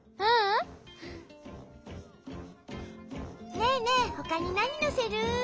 ねえねえほかになにのせる？